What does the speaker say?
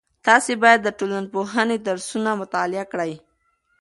تاسې باید د ټولنپوهنې درسونه مطالعه کړئ.